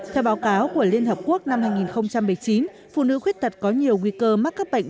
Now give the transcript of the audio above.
theo báo cáo của liên hợp quốc năm hai nghìn một mươi chín phụ nữ khuyết tật có nhiều nguy cơ mắc các bệnh